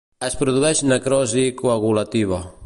Es produeix necrosi coagulativa.